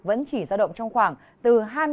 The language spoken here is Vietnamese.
vẫn chỉ ra động trong khoảng từ hai mươi ba